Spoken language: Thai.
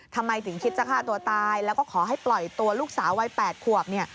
ทำไมถึงคิดจะฆ่าตัวตายแล้วก็ขอให้ปล่อยตัวลูกสาววัย๘ขวบเนี่ย